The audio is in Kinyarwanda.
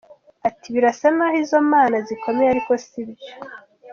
Ati “Birasa n’ aho izo mana zikomeye ariko sibyo.